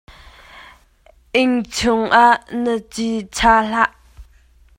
Inn chungah na cil cha hlah.